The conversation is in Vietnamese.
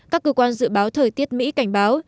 các cơ quan dự báo thời tiết mỹ cảnh báo